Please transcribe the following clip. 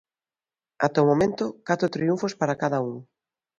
Ata o momento catro triunfos para cada un.